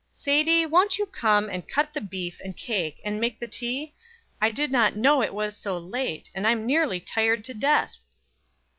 "Sadie, won't you come and cut the beef and cake, and make the tea? I did not know it was so late, and I'm nearly tired to death."